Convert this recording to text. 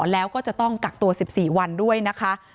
แล้วก็จะต้องกักตัว๑๔วันด้วยนะคะ